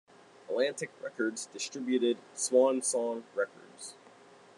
Atlantic Records distributed Swan Song Records.